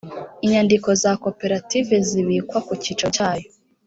inyandiko za koperative zibikwa ku cyicaro cyayo